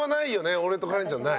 俺とカレンちゃんはない。